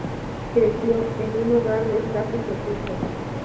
Creció en un hogar de escasos recursos.